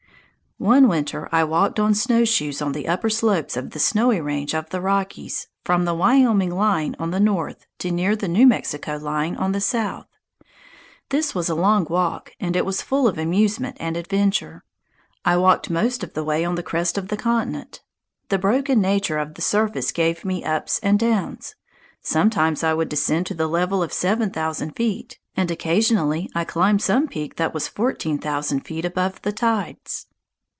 One winter I walked on snowshoes on the upper slopes of the "snowy" range of the Rockies, from the Wyoming line on the north to near the New Mexico line on the south. This was a long walk, and it was full of amusement and adventure. I walked most of the way on the crest of the continent. The broken nature of the surface gave me ups and downs. Sometimes I would descend to the level of seven thousand feet, and occasionally I climbed some peak that was fourteen thousand feet above the tides.